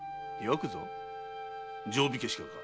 定火消しがか？